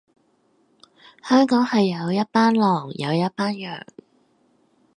香港係有一班狼，有一班羊